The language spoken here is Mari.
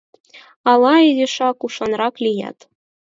Ала изишак ушанрак лият...